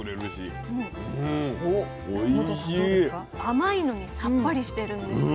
甘いのにさっぱりしてるんです。